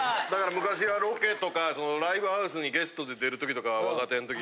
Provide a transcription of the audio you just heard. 昔はロケとかライブハウスにゲストで出る時とか若手ん時。